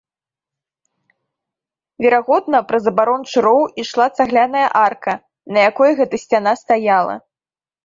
Верагодна, праз абарончы роў ішла цагляная арка, на якой гэта сцяна стаяла.